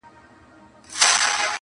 • شپه تاریکه ده نګاره چي رانه سې -